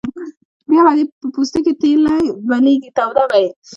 بیا به دې په پوستکي تیلی بلېږي توده به یې.